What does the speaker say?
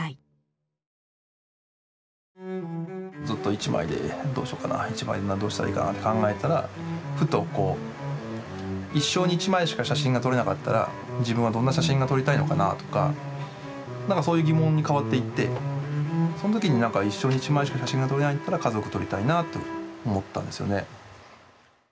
ずっと一枚でどうしようかな一枚でどうしたらいいかなって考えてたらふとこう一生に一枚しか写真が撮れなかったら自分はどんな写真が撮りたいのかなとかなんかそういう疑問に変わっていってその時になんか一生に一枚しか写真が撮れないんだったら家族撮りたいなって思ったんですよね。